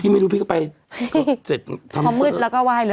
ไม่รู้พี่ก็ไปเสร็จทำพอมืดแล้วก็ไหว้เลย